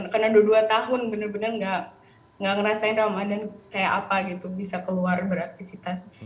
karena udah dua tahun bener bener enggak ngerasain ramadhan kayak apa gitu bisa keluar beraktivitas